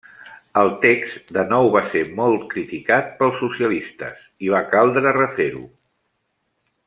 El text de nou va ser molt criticat pels socialistes, i va caldre refer-ho.